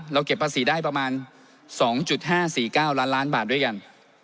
เก็บภาษีได้ประมาณ๒๕๔๙ล้านล้านบาทด้วยกัน